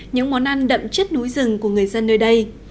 những món ăn đậm chất núi rừng của người dân nơi đây